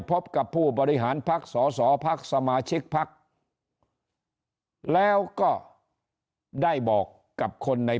พบกับผู้บริหารพักสอสอพักสมาชิกพักแล้วก็ได้บอกกับคนใน